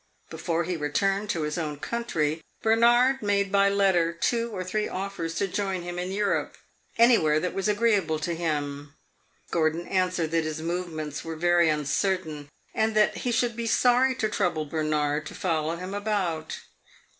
Before he returned to his own country, Bernard made by letter two or three offers to join him in Europe, anywhere that was agreeable to him. Gordon answered that his movements were very uncertain, and that he should be sorry to trouble Bernard to follow him about.